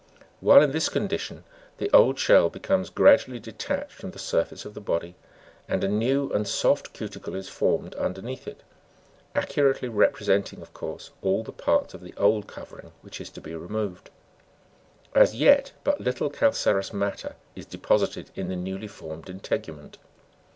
While in this condition, the old shell becomes gradually detached from the surface of the body, and a new and soft cuticle is formed underneath it, accurately representing of course all the parts of the old covering which is to be removed ; as yet, but little calcareous matter is deposited in the newly formed integument.